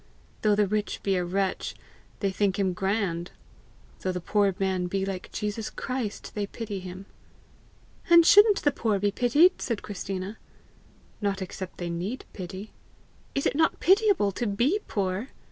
"Though the rich be a wretch, they think him grand; though the poor man be like Jesus Christ, they pity him!" "And shouldn't the poor be pitied?" said Christina. "Not except they need pity." "Is it not pitiable to be poor?"